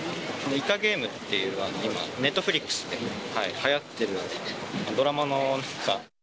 イカゲームっていうのが、今、ネットフリックスではやってるドラマのなんか。